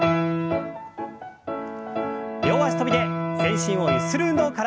両脚跳びで全身をゆする運動から。